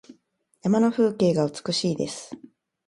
山の風景が美しいです。